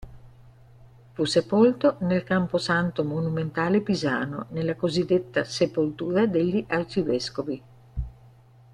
Fu sepolto nel Camposanto monumentale pisano, nella cosiddetta "sepoltura degli arcivescovi".